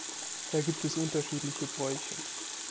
Da gibt es unterschiedliche Bräuche.